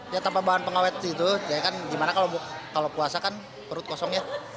ya tanpa bahan pengawet gitu ya kan gimana kalau puasa kan perut kosong ya